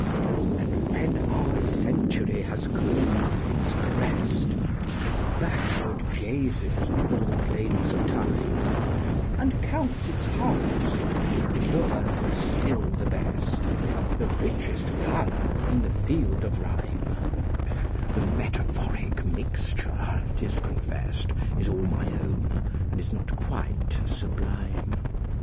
And when our century has clomb its crest, And backward gazes o'er the plains of Time, And counts its harvest, yours is still the best, The richest garner in the field of rhyme (The metaphoric mixture, 't is confest, Is all my own, and is not quite sublime).